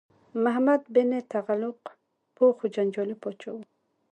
محمد بن تغلق پوه خو جنجالي پاچا و.